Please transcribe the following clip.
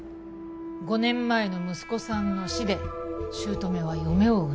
５年前の息子さんの死で姑は嫁を恨んでいた。